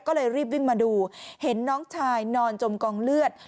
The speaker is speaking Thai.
ก็เลยรีบวิ่งมาดูเห็นน้องชายนอนจมกองเลือด